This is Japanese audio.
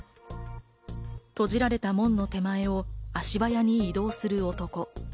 閉じられた門の手前を足早に移動する男。